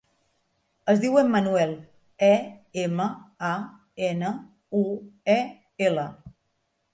Es diu Emanuel: e, ema, a, ena, u, e, ela.